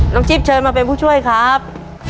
จิ๊บเชิญมาเป็นผู้ช่วยครับ